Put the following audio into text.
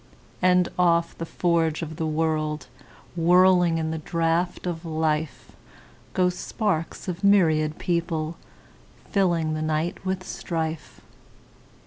And off the forge of the world, Whirling in the draught of life, Go sparks of myriad people, fillingThe night with strife.